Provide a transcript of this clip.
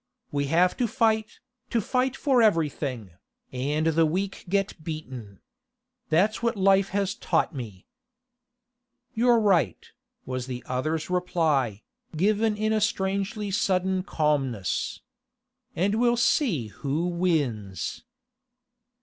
We have to fight, to fight for everything, and the weak get beaten. That's what life has taught me.' 'You're right,' was the other's reply, given with a strangely sudden calmness. 'And we'll see who wins.